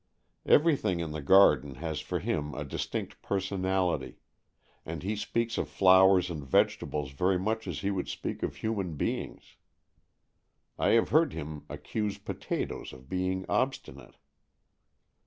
Everything in the garden has for him a distinct personality, and he speaks of flowers and vegetables very much as he would speak of human beings. I have heard him accuse potatoes of being obstinate.